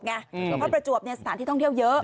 เพราะประจวบสถานที่ท่องเที่ยวเยอะ